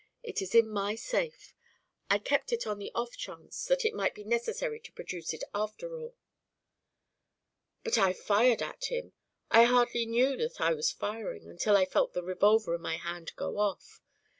It is in my safe. I kept it on the off chance that it might be necessary to produce it after all." "But I fired at him. I hardly knew that I was firing, until I felt the revolver in my hand go off.